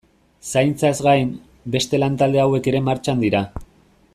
Zaintzaz gain, beste lantalde hauek ere martxan dira.